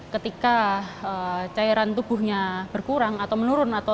ketika cairan tubuhnya berkurang atau menurun